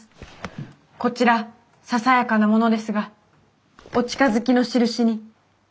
こちらささやかなものですがお近づきの印に。